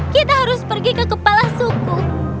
kita harus pergi ke kepala suku